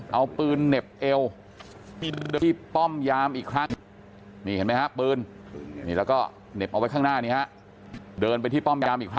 เอาปืนเหน็บเอวที่ป้อมยามอีกครั้งนี่เห็นไหมฮะปืนนี่แล้วก็เหน็บเอาไว้ข้างหน้านี้ฮะเดินไปที่ป้อมยามอีกครั้ง